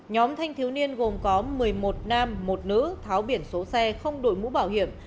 nhóm thanh thiếu niên gồm có một mươi một nam một nữ tháo biển số xe không đổi mũ bảo hiểm